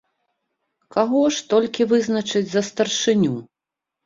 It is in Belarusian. Каго ж толькі вызначыць за старшыню?